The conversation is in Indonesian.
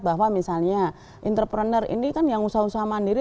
bahwa misalnya entrepreneur ini kan yang usaha usaha mandiri